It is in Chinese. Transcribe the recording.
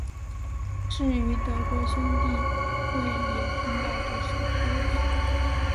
至于德国兄弟会也会听到这首歌曲。